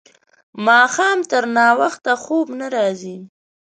ماښام تر ناوخته خوب نه راځي.